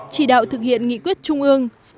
chỉ đạo thực hiện nghị quyết trung ương